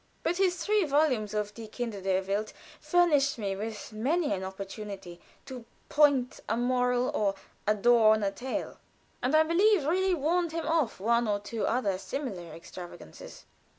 But his three volumes of "Die Kinder der Welt" furnished me with many an opportunity to "point a moral or adorn a tale," and I believe really warned him off one or two other similar extravagances.